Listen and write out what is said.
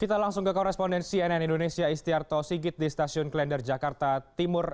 kita langsung ke korespondensi nn indonesia istiarto sigit di stasiun klender jakarta timur